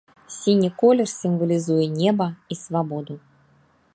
Сіні колер сімвалізуе неба і свабоду.